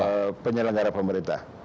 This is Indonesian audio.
jadi yang dipanggil siapa waktu itu pak